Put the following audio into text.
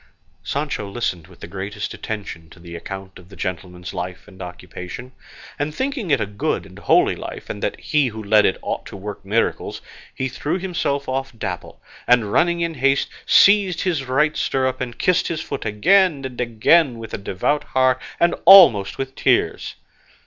Sancho listened with the greatest attention to the account of the gentleman's life and occupation; and thinking it a good and a holy life, and that he who led it ought to work miracles, he threw himself off Dapple, and running in haste seized his right stirrup and kissed his foot again and again with a devout heart and almost with tears.